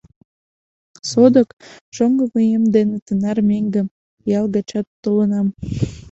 Содык, шоҥго вуем дене тынар меҥгым ял гыч толынам.